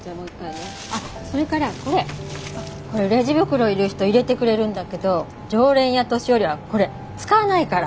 これレジ袋いる人入れてくれるんだけど常連や年寄りはこれ使わないから。